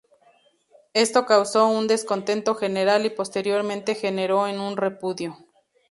Esto causó un descontento general y posteriormente generó en un repudio.